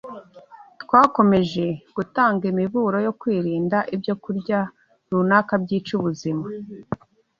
Twakomeje gutanga imiburo yo kwirinda ibyokurya runaka byica ubuzima